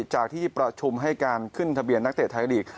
จากที่ประชุมให้การขึ้นทะเบียนนักเตะไทยลีก